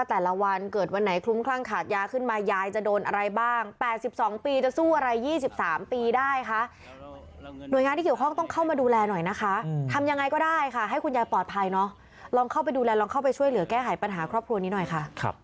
อะละวาดเราจะตียายปังคับให้ยายไปหายยืมเงินมาให้ค่ะ